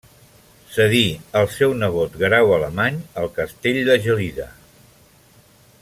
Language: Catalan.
Cedí al seu nebot Guerau Alemany el Castell de Gelida.